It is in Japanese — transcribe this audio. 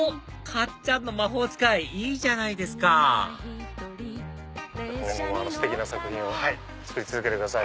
かっちゃんの魔法使いいいじゃないですかステキな作品作り続けてください